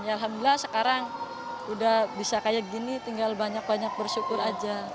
ya alhamdulillah sekarang udah bisa kayak gini tinggal banyak banyak bersyukur aja